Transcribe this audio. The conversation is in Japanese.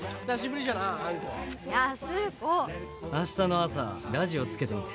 明日の朝ラジオつけてみて。